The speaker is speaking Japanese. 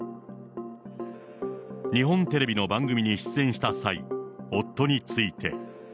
日本テレビの番組に出演した際、夫について。